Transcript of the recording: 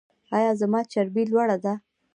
ایا زما چربي لوړه ده؟